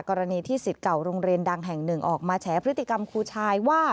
กรณีที่สิทธิ์เก่าโรงเรียนดังแห่งหนึ่งออกมาแฉพฤติกรรมครูชายว่า